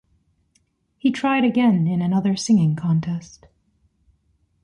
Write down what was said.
He tried again in another singing contest.